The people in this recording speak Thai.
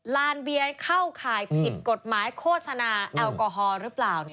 ลานเบียนเข้าข่ายผิดกฎหมายโฆษณาแอลกอฮอลหรือเปล่า